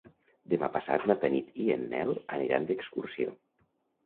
Demà passat na Tanit i en Nel aniran d'excursió.